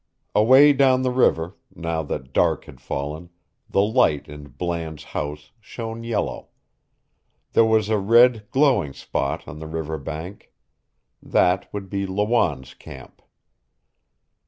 Away down the river, now that dark had fallen, the light in Bland's house shone yellow. There was a red, glowing spot on the river bank. That would be Lawanne's camp.